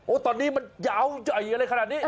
ตอนนี้มันยาวใหญ่อะไรขนาดนี้